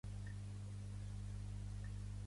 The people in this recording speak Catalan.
Quin seria la primera retribució d'aquesta llei?